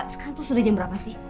sekarang tuh sudah jam berapa sih